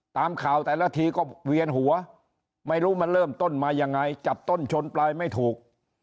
ตามข่าวแต่ละทีก็เวียนหัวไม่รู้มันเริ่มต้นมายังไงจับต้นชนปลายไม่ถูก